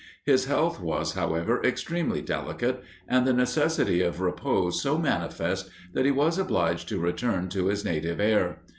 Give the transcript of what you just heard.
His health was, however, extremely delicate, and the necessity of repose so manifest, that he was obliged to return to his native air.